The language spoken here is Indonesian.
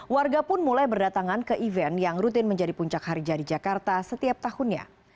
warga pun mulai berdatangan ke event yang rutin menjadi puncak hari jadi jakarta setiap tahunnya